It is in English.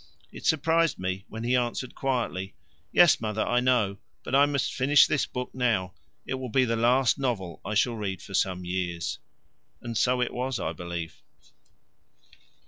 It surprised me when he answered quietly, "Yes, mother, I know, but I must finish this book now; it will be the last novel I shall read for some years." And so it was, I believe.